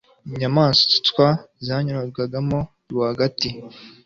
inyamaswa zawunyuranagamo rwagati